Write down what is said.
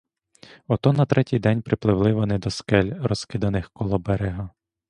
Ото на третій день припливли вони до скель, розкиданих коло берега.